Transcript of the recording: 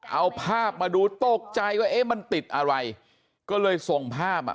เอาภาพมาดูตกใจว่าเอ๊ะมันติดอะไรก็เลยส่งภาพอ่ะ